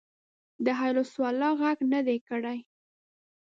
د حی علی الصلواه غږ نه دی کړی.